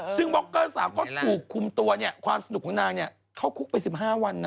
ซึ่งบ็อกเกอร์สาวก็ถูกคุมตัวความสนุกของนางเข้าคุกไป๑๕วันนะ